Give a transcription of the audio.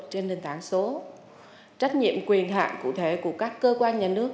trên nền tảng số trách nhiệm quyền hạn cụ thể của các cơ quan nhà nước